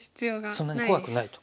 そんなに怖くないと。